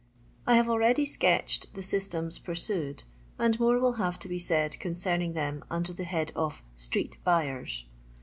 I have already sketched the systems pursued, and more will have to be said concerning them under the head of Street Butkrs.